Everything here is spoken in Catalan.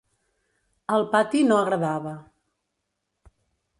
Al pati no agradava.